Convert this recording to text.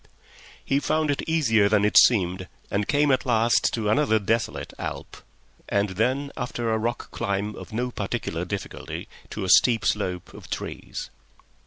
He found it easier than it seemed, and came at last to another desolate alp, and then after a rock climb of no particular difficulty, to a steep slope of trees.